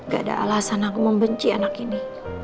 gak ada alasan aku membenci anak ini